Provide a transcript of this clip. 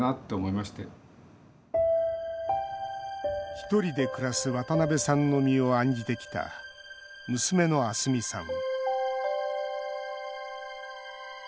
ひとりで暮らす渡辺さんの身を案じてきた娘の明日美さん